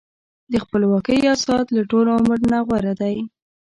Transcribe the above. د خپلواکۍ یو ساعت له ټول عمر نه غوره دی.